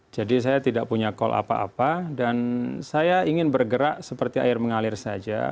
jadi saya tidak punya call apa apa dan saya ingin bergerak seperti air mengalir saja